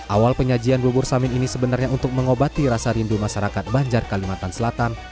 awal penyajian bubur samin ini sebenarnya untuk mengobati rasa rindu masyarakat banjar kalimantan selatan